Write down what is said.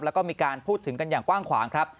แล้วก็มีการพูดถึงกันอย่างกว้างขวางครับ